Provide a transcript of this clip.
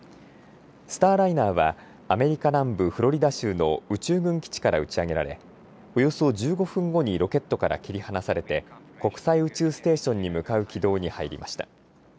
スターライナーはアメリカ南部フロリダ州の宇宙軍基地から打ち上げられ、およそ１５分後にロケットから切り離されて国際宇宙ステーションに向かう軌道に入りました。